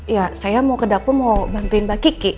ya saya mau ke dapur mau bantuin mbak kiki